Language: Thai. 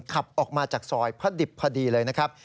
ขับออกมาจากซอยพระดิบพอดีเลยนะครับ